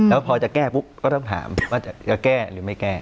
แล้วพอจะแก้ปุ๊บก็ต้องถามว่าจะแก้หรือไม่แก้